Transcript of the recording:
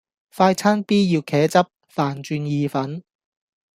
快餐 B 要茄汁,飯轉意粉